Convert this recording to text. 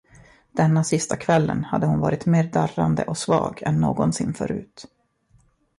Denna sista kvällen hade hon varit mer darrande och svag än någonsin förut.